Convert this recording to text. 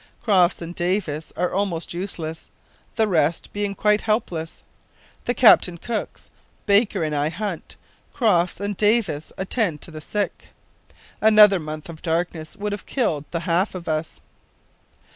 Crofts and Davis are almost useless, the rest being quite helpless. The captain cooks, Baker and I hunt, Crofts and Davis attend to the sick. Another month of darkness would have killed the half of us.